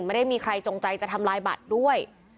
ไม่ได้มีใครจงใจจะทำลายบัตรด้วย